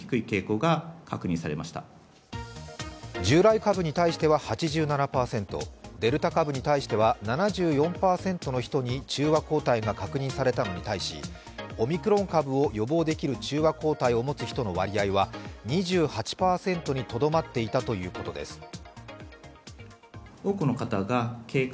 従来株に対しては８７％、デルタ株に対しては７４％の人に中和抗体が確認されたのに対しオミクロン株を予防できる中和抗体を持つ人の割合は２８％にとどまっていたということです。